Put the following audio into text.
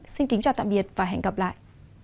xin kính chào tạm biệt và hẹn gặp lại